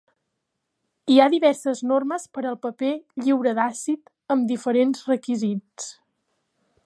Hi ha diverses normes per al paper "lliure d'àcid", amb diferents requisits.